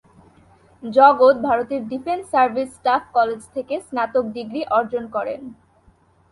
জগৎ ভারতের defence service staff college থেকে স্নাতক ডিগ্রি অর্জন করেন।